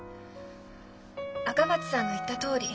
赤松さんの言ったとおり。